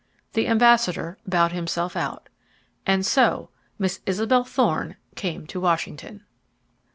The ambassador bowed himself out. And so Miss Isabel Thorne came to Washington!